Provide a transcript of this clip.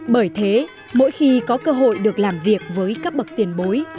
bởi thế mỗi khi có cơ hội được làm việc với cấp bậc tiền bối